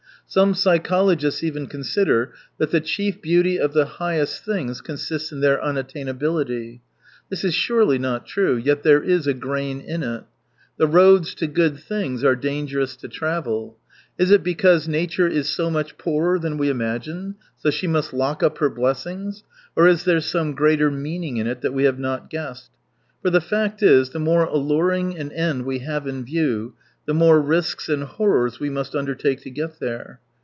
Some psychologists even consider that the chief beauty of the highest things consists in their unattain ability. This is surely not true— yet there is a grain in it. The roads to good things are dangerous to travel. Is it because nature is so much poorer than we imagine, so she must lock up her blessings, or is there some greater meaning in it, that we have not guessed ? For the fact is, the more alluring an end we have in view, the more risks and horrors we must undertake to get there.